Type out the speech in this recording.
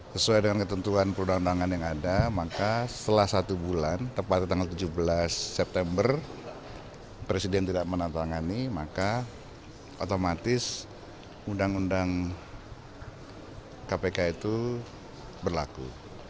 sesuai dengan ketentuan perundang undangan yang ada maka setelah satu bulan tepat tanggal tujuh belas september presiden tidak menantangani maka otomatis undang undang kpk itu berlaku